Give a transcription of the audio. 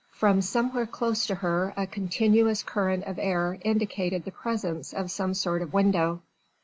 From somewhere close to her a continuous current of air indicated the presence of some sort of window.